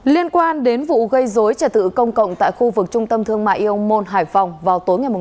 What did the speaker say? liên quan đến vụ gây dối trả tự công cộng tại khu vực trung tâm thương mại yêu môn hải phòng vào tối năm tháng ba vừa qua